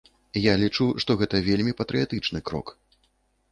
Я лічу, што гэта вельмі патрыятычны крок.